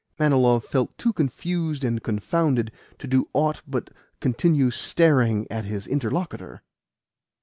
Manilov felt too confused and confounded to do aught but continue staring at his interlocutor.